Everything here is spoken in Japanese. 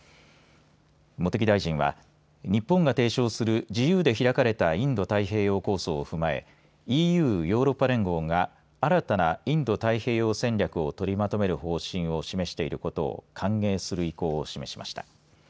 茂木大臣は日本が提唱する自由で開かれたインド太平洋構想を踏まえＥＵ、ヨーロッパ連合が新たなインド太平洋戦略を取りまとめる方針を示していることを歓迎する意向を示しました。